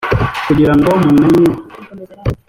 kugira ngo mumenye